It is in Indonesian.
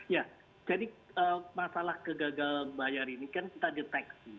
ya jadi masalah kegagalan bayar ini kan kita deteksi